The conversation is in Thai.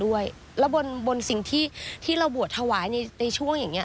ด้วยแล้วบนบนสิ่งที่ที่เราบวชถวายในช่วงอย่างเงี้